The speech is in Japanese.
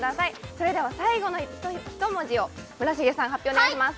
それでは最後の１文字を村重さん発表お願いします